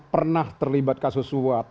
pernah terlibat kasus suap